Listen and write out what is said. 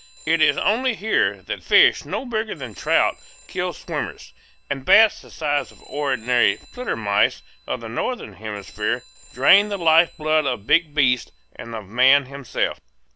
It is only here that fish no bigger than trout kill swimmers, and bats the size of the ordinary "flittermice" of the northern hemisphere drain the life blood of big beasts and of man himself.